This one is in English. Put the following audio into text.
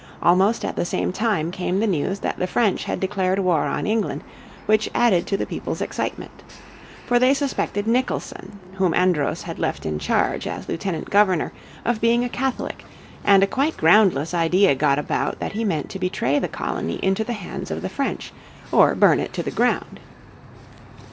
Almost at the same time came the news that the French had declared war on England, which added to the people's excitement. For they suspected Nicholson, whom Andros had left in charge as Lieutenant Governor, of being a Catholic; and a quite groundless idea got about that he meant to betray the colony into the hands of the French, or burn it to the ground.